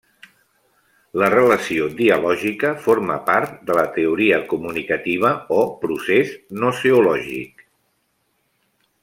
La relació dialògica forma part de la teoria comunicativa o procés gnoseològic.